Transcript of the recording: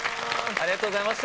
ありがとうございます。